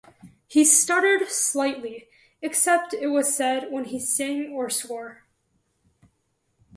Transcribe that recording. He stuttered slightly-except, it was said, when he sang or swore.